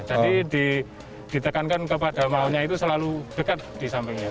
jadi ditekankan kepada mautnya itu selalu dekat di sampingnya